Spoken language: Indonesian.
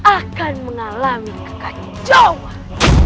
akan mengalami kekacauan